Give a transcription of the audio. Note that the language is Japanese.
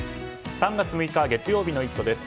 ３月６日、月曜日の「イット！」です。